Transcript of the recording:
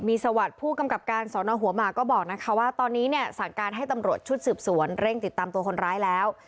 มีสวัสดิ์ผู้กำกับการสอนอหัวหมากก็บอกนะคะว่าตอนนี้เนี่ยสั่งการให้ตำรวจชุดสืบสวนเร่งติดตามตัวคนร้ายแล้ว